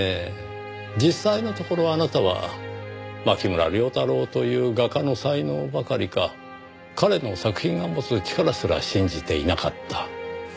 実際のところあなたは牧村遼太郎という画家の才能ばかりか彼の作品が持つ力すら信じていなかった。